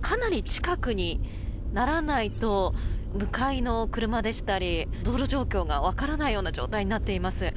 かなり近くにならないと向かいの車でしたり道路状況がわからないような状態になっています。